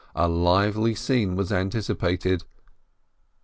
A lively scene was anticipated.